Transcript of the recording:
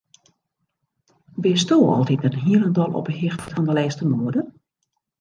Bisto altiten hielendal op 'e hichte fan de lêste moade?